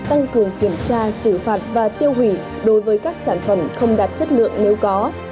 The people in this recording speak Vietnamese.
tăng cường kiểm tra xử phạt và tiêu hủy đối với các sản phẩm không đạt chất lượng nếu có